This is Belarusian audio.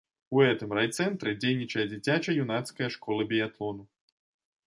У гэтым райцэнтры дзейнічае дзіцяча-юнацкая школа біятлону.